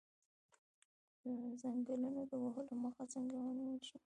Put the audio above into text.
د ځنګلونو د وهلو مخه څنګه ونیول شي؟